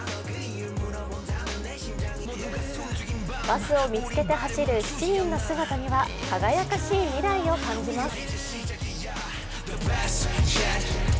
バスを見つけて走る７人の姿には輝かしい未来を感じます。